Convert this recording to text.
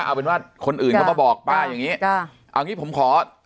เอาเป็นว่าคนอื่นเขามาบอกป้าอย่างงี้จ้ะเอางี้ผมขอ